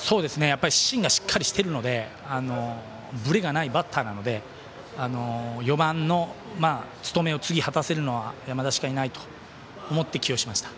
芯がしっかりしてるのでぶれがないバッターなので４番の務めを次、果たせるのは山田しかいないと思って起用しました。